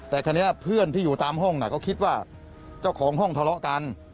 แต่คราวนี้เพื่อนที่อยู่ตามห้องเขาคิดว่าเจ้าของห้องทะเลาะกัน